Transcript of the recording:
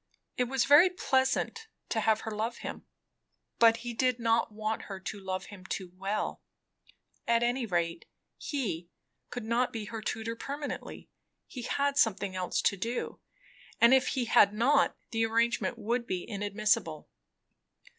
It was very pleasant to have her love him, but he did not want her to love him too well. At any rate, he could not be her tutor permanently; he had something else to do, and if he had not, the arrangement would be inadmissible.